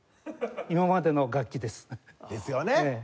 今までの楽器です。ですよね。